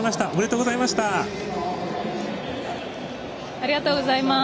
ありがとうございます。